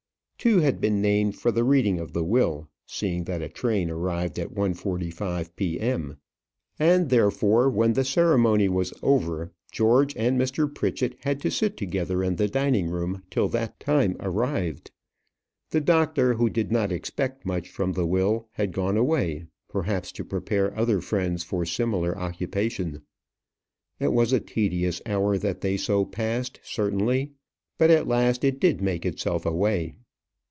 Two had been named for the reading of the will, seeing that a train arrived at 1.45 P.M. And, therefore, when the ceremony was over, George and Mr. Pritchett had to sit together in the dining room till that time arrived. The doctor, who did not expect much from the will, had gone away, perhaps to prepare other friends for similar occupation. It was a tedious hour that they so passed, certainly; but at last it did make itself away.